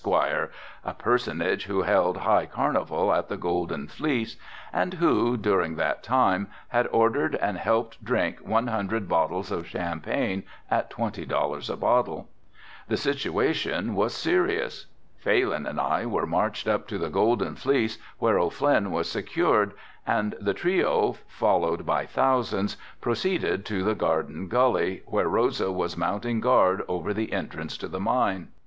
a personage who held high carnival at the Golden Fleece and who, during that time, had ordered and helped drink one hundred bottles of champagne at twenty dollars a bottle. The situation was serious. Phalin and I were marched up to the Golden Fleece where O'Flynn was secured and the trio, followed by thousands, proceeded to the Garden Gully where Rosa was mounting guard over the entrance to the mine.